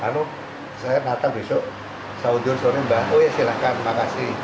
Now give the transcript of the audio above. kalau saya datang besok saudara saudara oh ya silahkan terima kasih